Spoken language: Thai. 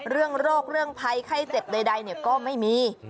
เรื่องโรคเรื่องภัยไข้เจ็บใดก็ไม่มี